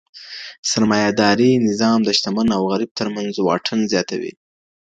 سرمایه داري نظام د شتمن او غریب ترمنځ واټن زیاتوي.